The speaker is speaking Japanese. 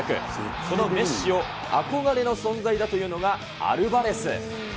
そのメッシを憧れの存在だというのが、アルバレス。